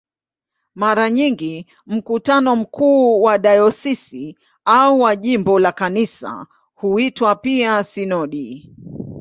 Mara nyingi mkutano mkuu wa dayosisi au wa jimbo la Kanisa huitwa pia "sinodi".